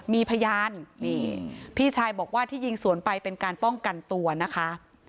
มีพยานนี่พี่ชายบอกว่าที่ยิงสวนไปเป็นการป้องกันตัวนะคะ